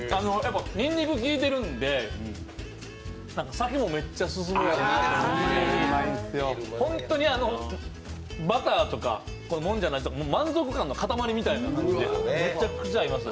にんにく効いてるんで、酒もめっちゃ進むやろうし、本当にバターとかもんじゃの味とか満足感の塊みたいな感じでめちゃくちゃ合います。